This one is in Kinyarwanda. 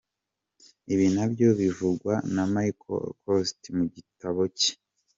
Ibi nabyo bivugwa na Michel Quoist, mu gitabo cye .